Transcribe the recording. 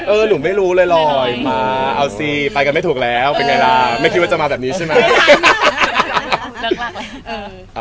เอ้าสิไปกันไม่ถูกแล้วไม่คิดว่าจะมาแบบนี้ใช่ไหม